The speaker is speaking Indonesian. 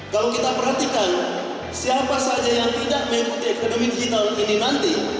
kalau kita perhatikan siapa saja yang tidak mengikuti ekonomi digital ini nanti